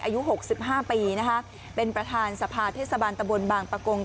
อายุหกสิบห้าปีนะคะเป็นประธานสภาสเทศบาลตระบุลบางปกงตอนนี้